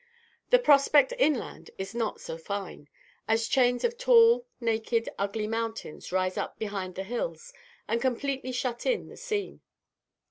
The prospect inland is not so fine, as chains of tall, naked, ugly mountains rise up behind the hills, and completely shut in the scene.